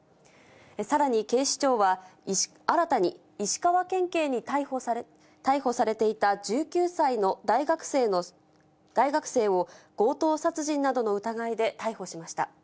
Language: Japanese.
さらに、警視庁は新たに石川県警に逮捕されていた１９歳の大学生を、強盗殺人などの疑いで逮捕しました。